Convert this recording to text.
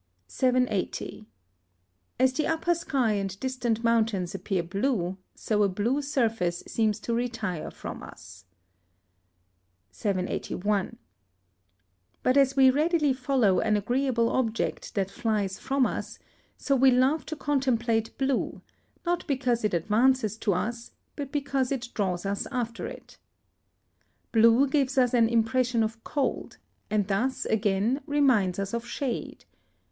780. As the upper sky and distant mountains appear blue, so a blue surface seems to retire from us. 781. But as we readily follow an agreeable object that flies from us, so we love to contemplate blue, not because it advances to us, but because it draws us after it. 782. Blue gives us an impression of cold, and thus, again, reminds us of shade.